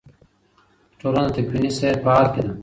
ټولنه د تکویني سیر په حال کې ده.